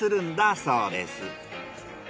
そうですね。